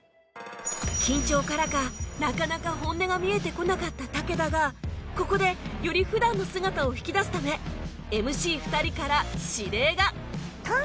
緊張からかなかなか本音が見えてこなかった茸だがここでより普段の姿を引き出すため ＭＣ２ 人から指令が